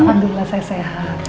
alhamdulillah saya sehat